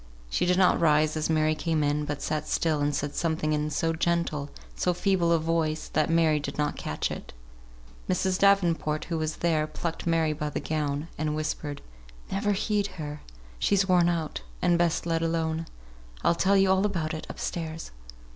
She did not rise as Mary came in, but sat still and said something in so gentle, so feeble a voice, that Mary did not catch it. Mrs. Davenport, who was there, plucked Mary by the gown, and whispered, "Never heed her; she's worn out, and best let alone. I'll tell you all about it, up stairs."